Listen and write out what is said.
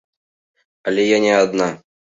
Але я не адна.